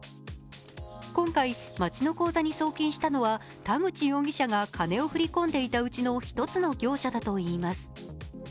今回、町の口座に送金したのは田口容疑者か金を振り込んでいたうちの１つの業者だといいます。